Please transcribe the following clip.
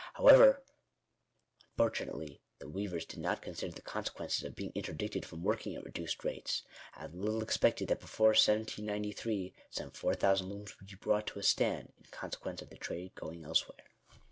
Un fortunately, however, the weavers did not consider the conse quences of being interdicted from working at reduced rates ; and little expected that before 1793, some 4000 looms would be brought to a stand in consequence of the trade going else where.